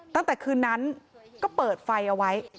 ตั้งแต่คืนนั้นก็เปิดไฟเอาไว้